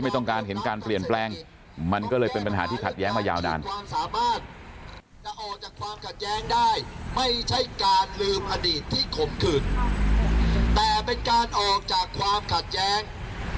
แต่เป็นการออกจากความขัดแย้ง